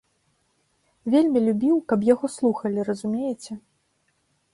Вельмі любіў, каб яго слухалі, разумееце.